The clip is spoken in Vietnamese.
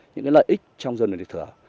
những lợi ích trong dồn điền đổi thửa